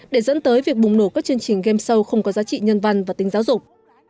để dẫn tới việc bùng nổ các chương trình game show không có giá trị nhân văn và tính giáo dục